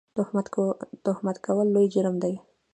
تهمت کول لوی جرم دی